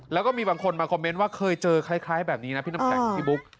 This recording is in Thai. แล้วก็มีบางคนมาคอมเมนต์ว่าเคยเจอคล้ายแบบนี้นะพี่น้ำแข็งพี่บุ๊ค